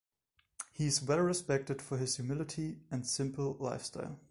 He is well respected for his humility and simple lifestyle.